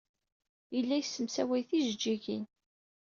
Yella yessemsaway tijejjigin.